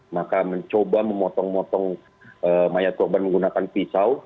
maka mencoba memotong motong mayat korban menggunakan pisau